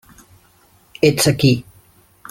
Ets aquí.